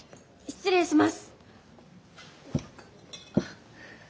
失礼します。